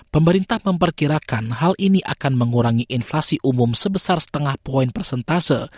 pemerintah memperkirakan hal ini akan mengurangi inflasi umum sebesar setengah poin persentase